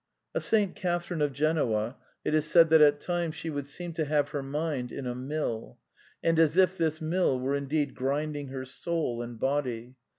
Of St. Catherine of Genoa it is said that " at times she would seem to have her mind in a mill ; and as if this mill were indeed grinding her soul and bpdy."